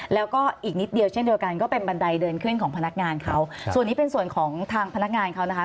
แล้วก็อีกนิดเดียวเช่นเดียวกันก็เป็นบันไดเดินขึ้นของพนักงานเขาส่วนนี้เป็นส่วนของทางพนักงานเขานะคะ